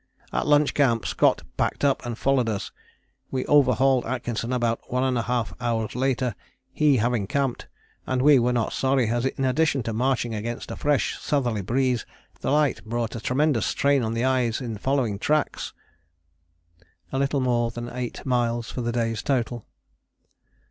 "At lunch camp Scott packed up and followed us. We overhauled Atkinson about 1½ hours later, he having camped, and we were not sorry, as in addition to marching against a fresh southerly breeze the light brought a tremendous strain on the eyes in following tracks." A little more than eight miles for the day's total.